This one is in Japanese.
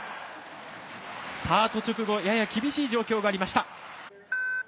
スタート直後やや厳しい状況がありました。